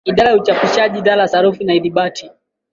Idara ya Uchapishaji dara ya Sarufi na Ithibati